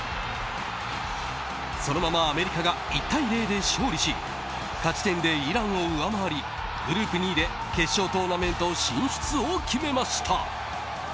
そのままアメリカが１対０で勝利し勝ち点でイランを上回りグループ２位で決勝トーナメント進出を決めました。